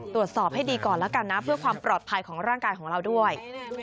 ตรวจสอบให้ดีก่อนแล้วกันนะเพื่อความปลอดภัยของร่างกายของเราด้วย